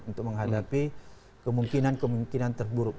untuk menghadapi kemungkinan kemungkinan terburuk